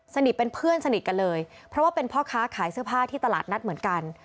สนิทเป็นเพื่อนสนิทกันเลยเพราะว่าเป็นพ่อค้าขายเสื้อผ้าที่ตลาดนัดเหมือนกัน